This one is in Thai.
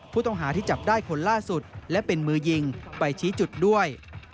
ผู้ต้องหาที่จับได้คนล่าสุดและเป็นมือยิงไปชี้จุดด้วย